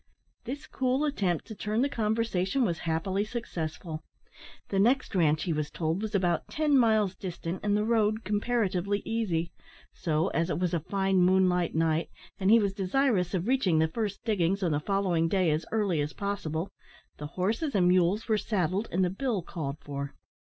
This cool attempt to turn the conversation was happily successful. The next ranche, he was told, was about ten miles distant, and the road comparatively easy; so, as it was a fine moonlight night, and he was desirous of reaching the first diggings on the following day as early as possible, the horses and mules were saddled, and the bill called for.